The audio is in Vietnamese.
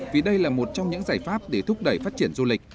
vì đây là một trong những giải pháp để thúc đẩy phát triển du lịch